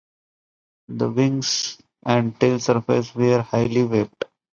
The wing and tail surfaces were highly-swept.